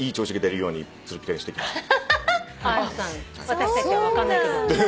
私たちは分かんないけど。